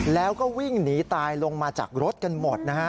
แล้วก็วิ่งหนีตายลงมาจากรถกันหมดนะฮะ